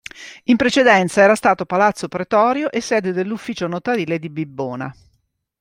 In precedenza era stato Palazzo Pretorio e sede dell'ufficio notarile di Bibbona.